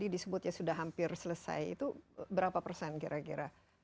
disebut ya sudah hampir selesai itu berapa persen kira kira